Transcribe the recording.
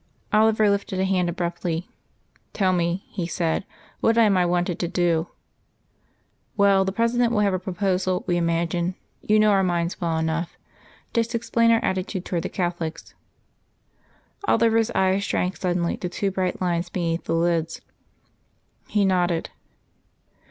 Oliver lifted a hand abruptly. "Tell me," he said. "What am I wanted to say?" "Well, the President will have a proposal, we imagine. You know our minds well enough. Just explain our attitude towards the Catholics." Oliver's eyes shrank suddenly to two bright lines beneath the lids. He nodded.